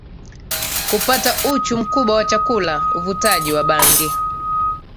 kupata uchu mkubwa wa chakula Uvutaji wa bangi